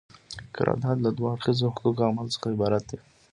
قرارداد له دوه اړخیزه حقوقي عمل څخه عبارت دی.